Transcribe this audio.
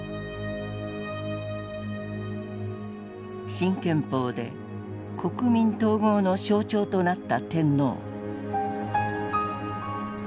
新憲法で国民統合の象徴となった天皇。